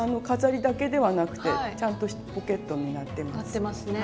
飾りだけではなくてちゃんとポケットになってます。